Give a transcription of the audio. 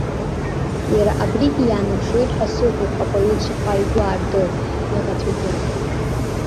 Иара абригьы иаанарԥшуеит ҳәа сыҟоуп апоет шаҟа игәы аартыз, иаӷацәагьы.